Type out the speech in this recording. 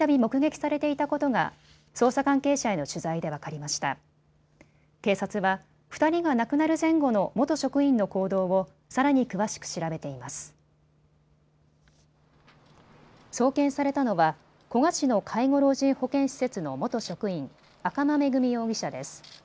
送検されたのは古河市の介護老人保健施設の元職員、赤間恵美容疑者です。